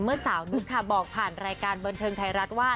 เมื่อสาวนุษย์ค่ะบอกผ่านรายการบันเทิงไทยรัฐว่า